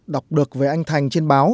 đọc được về anh thành trên báo